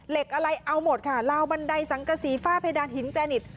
เหล็กอะไรเอาหมดค่ะลาวบันไดสังกษีฝ้าเพดานหินแกรนิต